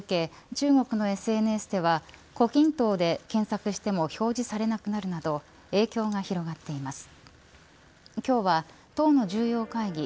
中国のＳＮＳでは胡錦濤で検索しても表示されなくなるなど影響が広がっています。